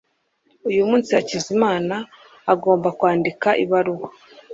uyu munsi hakizimana agomba kwandika ibaruwa